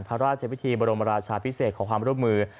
พระราชวิธีบรมราชาพิเศษขอความร่วมมือ